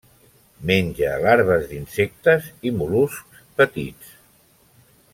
Menja larves d'insectes i mol·luscs petits.